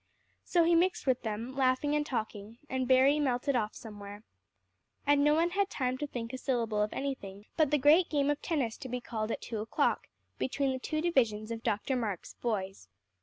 So he mixed with them, laughing and talking, and Berry melted off somewhere. And no one had time to think a syllable of anything but the great game of tennis to be called at two o'clock, between the two divisions of Dr. Marks' boys.